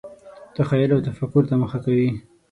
تخیل او تفکر ته مخه کوي.